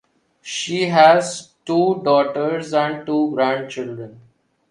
She has two daughters and two grandchildren.